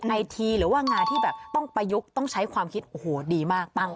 ในทีหรือว่างานที่แบบต้องประยุกต์ต้องใช้ความคิดโอ้โหดีมากปั้ง